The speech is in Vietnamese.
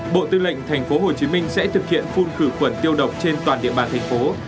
bộ tư lệnh tp hcm sẽ thực hiện phun khử khuẩn tiêu độc trên toàn địa bàn thành phố